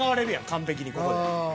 完璧にここで。